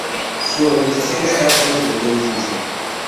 Su organización está a cargo de Tenis Suizo.